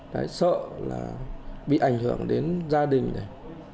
đấy sợ là bị ảnh hưởng đến gia đình này